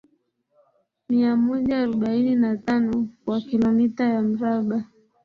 Mia moja arobaini na tano kwa kilomita ya mraba